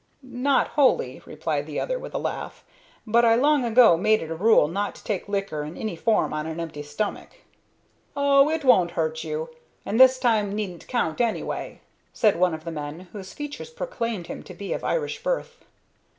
"Not wholly," replied the other, with a laugh, "but I long ago made it a rule not to take liquor in any form on an empty stomach." "Oh, it won't hurt you. And this time needn't count, anyway," said one of the men, whose features proclaimed him to be of Irish birth.